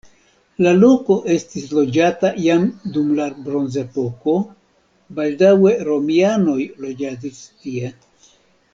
La loko estis loĝata jam dum la bronzepoko, baldaŭe romianoj loĝadis tie.